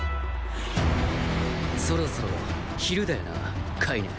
そろそろ昼だよなカイネ。